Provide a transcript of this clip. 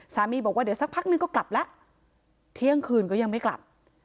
บอกว่าเดี๋ยวสักพักนึงก็กลับแล้วเที่ยงคืนก็ยังไม่กลับ